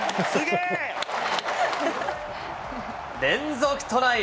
連続トライ。